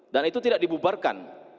dan itu tidak dibubarkan